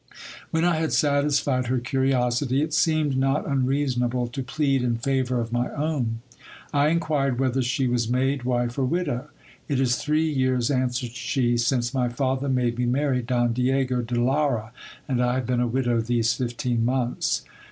When I had satisfied her curiosity, it seemed not unreasonable to plead in favour of my own. I inquired whether she was maid, wife, or widow. It is three years, answered she, since my father made me marry Don Diego de Lara ; and I have been a widow these fifteen months.